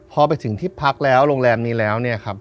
พอไปถึงที่พักแล้วโรงแรมนี้แล้ว